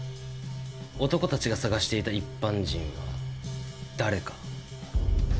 男たちが捜していた一般人は誰か。